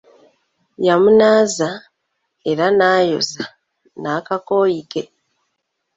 Yamunaaza, era n'ayoza n'akakooyi ke.